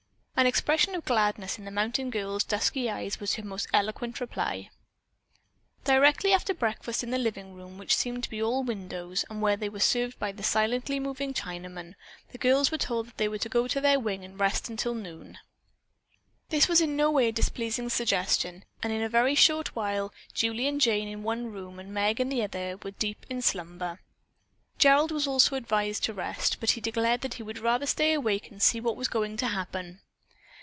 An expression of gladness in the mountain girl's dusky eyes was her most eloquent reply. Directly after breakfast in the dining room, which seemed to be all windows and where they were served by a silently moving Chinaman, the girls were told that they were to go to their wing and rest until noon. This was in no way a displeasing suggestion and in a very short while Julie and Jane in one room and Meg in the other were deep in slumber. Gerald was also advised to rest, but he declared that he would rather stay awake and see what was going to happen.